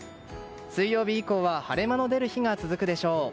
水曜日以降は晴れ間が出る日が続くでしょう。